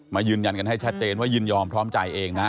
ยืนยันกันให้ชัดเจนว่ายินยอมพร้อมใจเองนะ